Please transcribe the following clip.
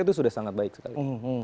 itu sudah sangat baik sekali